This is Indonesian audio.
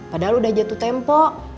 padahal udah jatuh tempo